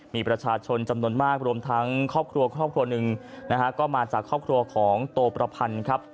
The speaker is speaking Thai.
มีประชาชนจำนวนมากรวมทั้งครอบครัวครอบครัวหนึ่งนะฮะก็มาจากครอบครัวของโตประพันธ์ครับ